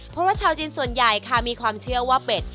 เพราะว่าชาวจีนส่วนใหญ่ค่ะมีความเชื่อว่าเป็ด